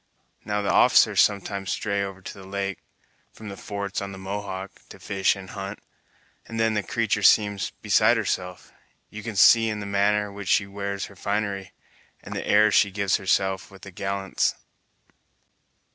Now, the officers sometimes stray over to the lake, from the forts on the Mohawk, to fish and hunt, and then the creatur' seems beside herself! You can see in the manner which she wears her finery, and the airs she gives herself with the gallants."